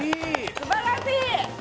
すばらしい！